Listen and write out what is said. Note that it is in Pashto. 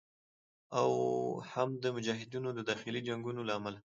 او هم د مجاهدینو د داخلي جنګونو له امله